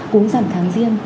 cuốn giảm tháng riêng